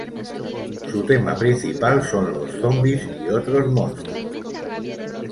Su tema principal son los Zombis y otros Monstruos.